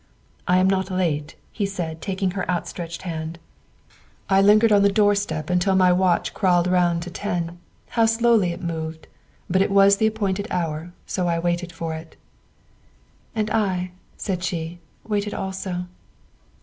''" I am not late," he said, takinsr her outstretched 236 THE WIFE OF hand. " I lingered on the doorstep until my watch crawled round to ten. How slowly it moved! But it was the appointed hour, so I waited for it. '' "And I," she said, " waited also."